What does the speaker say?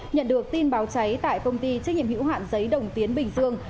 nhận được tin báo cháy tại công ty trách nhiệm hữu hạn giấy đồng tiến bình dương